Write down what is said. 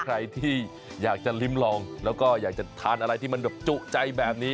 ใครที่อยากจะลิ้มลองแล้วก็อยากจะทานอะไรที่มันแบบจุใจแบบนี้